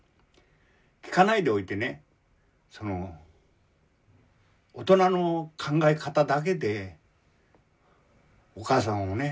聞かないでおいてねその大人の考え方だけでお母さんをね